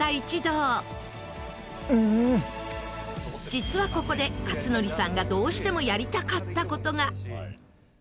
実はここで克典さんがどうしてもやりたかった事が。